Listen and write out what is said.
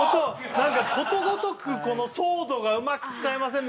何かことごとくこのソードがうまく使えませんね